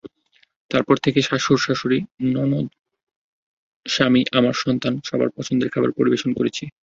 তারপর থেকে শ্বাশুড়ি শ্বশুর ননদ স্বামী আমার সন্তান সবার পছন্দের খাবার পরিবেশন করেছি।